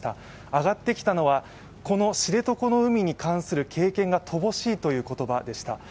上がってきたのは、この知床の海に関する経験が乏しいという言葉でした。